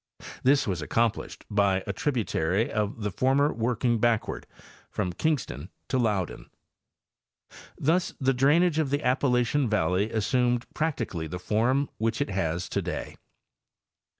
This was accomplished by a tributary of the former working backward from Kingston to Loudon. Thus Effect of Land Warping on Drainage. 119 the drainage of the Appalachian valley assumed practically the form which it has today.